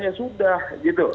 ya sudah gitu